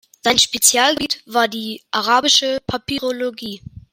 Sein Spezialgebiet war die arabische Papyrologie.